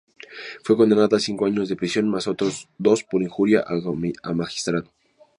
Fue condenada a cinco años de prisión más otros dos por injuria a magistrado.